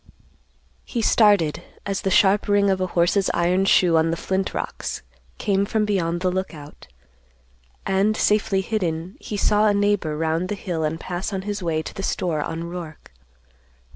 He started as the sharp ring of a horse's iron shoe on the flint rocks came from beyond the Lookout, and, safely hidden, he saw a neighbor round the hill and pass on his way to the store on Roark.